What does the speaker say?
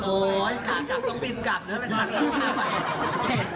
โอ้ยขากลับต้องบินกลับนั่นแหละค่ะ